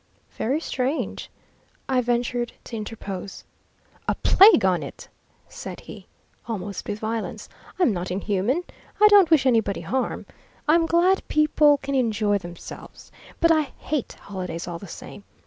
"Very strange," I ventured to interpose. "A plague on it!" said he, almost with violence. "I'm not inhuman. I don't wish anybody harm. I'm glad people can enjoy themselves. But I hate holidays all the same.